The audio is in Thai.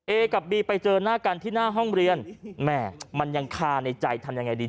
เอกับบีไปเจอหน้ากันที่หน้าห้องเรียนแหม่มันยังคาในใจทำยังไงดี